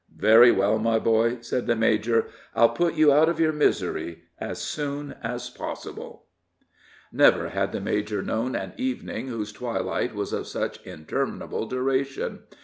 "Very well, my boy," said the major; "I'll put you out of your misery as soon as possible." Never had the major known an evening whose twilight was of such interminable duration.